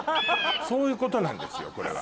そういうことなんですよこれは。